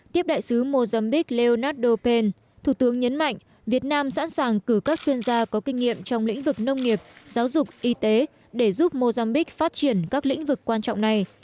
tiếp đại sứ mozambiq leonardo penn thủ tướng nhấn mạnh việt nam sẵn sàng cử các chuyên gia có kinh nghiệm trong lĩnh vực nông nghiệp giáo dục y tế để giúp mozambique phát triển các lĩnh vực quan trọng này